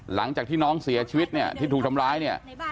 หลังจากที่น้องเสียชีวิตเนี่ยที่ถูกทำร้ายเนี่ย